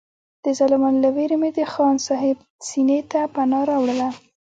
د ظالمانو له وېرې مې د خان صاحب سینې ته پناه راوړله.